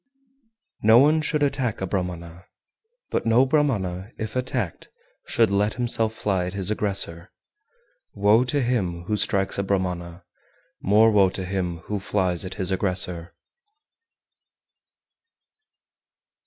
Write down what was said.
389. No one should attack a Brahmana, but no Brahmana (if attacked) should let himself fly at his aggressor! Woe to him who strikes a Brahmana, more woe to him who flies at his aggressor!